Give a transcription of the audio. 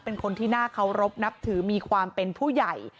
เป็นคนที่น่าเคารพนับถือมีความเป็นผู้ใหญ่